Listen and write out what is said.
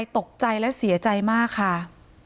ตกใจและเสียใจมากค่ะ